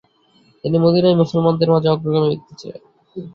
তিনি মদীনায় মুসলমানদের মাঝে অগ্রগামী ব্যক্তি ছিলেন।